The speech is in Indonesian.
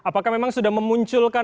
sekarang ke lagu neem a